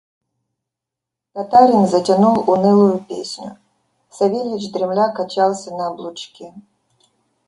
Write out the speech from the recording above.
Татарин затянул унылую песню; Савельич, дремля, качался на облучке.